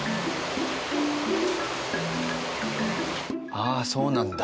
ああそうなんだ。